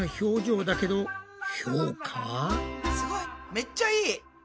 めっちゃいい！